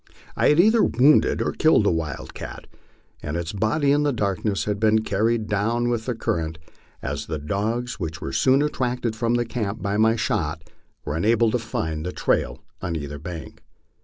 I had either wounded or killed the wildcat, and its body in the darkness had been carried down with the current, as the dogs which were soon attracted from the camp by my shot were unable to find the trail on either bank.